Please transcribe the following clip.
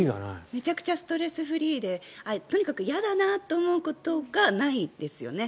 めちゃくちゃストレスフリーでとにかく嫌だなと思うことがないですよね。